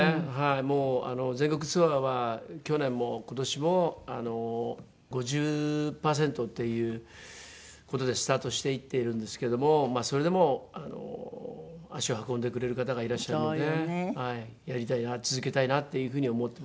もうあの全国ツアーは去年も今年も５０パーセントっていう事でスタートしていっているんですけどもそれでも足を運んでくれる方がいらっしゃるのでやりたいな続けたいなっていう風に思ってます。